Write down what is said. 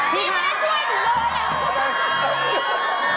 นี่มันได้ช่วยหนูเลย